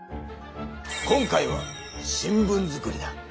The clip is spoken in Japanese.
今回は新聞作りだ。